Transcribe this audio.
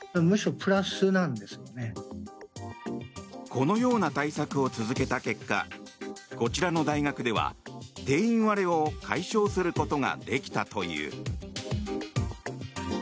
このような対策を続けた結果こちらの大学では定員割れを解消することができたという。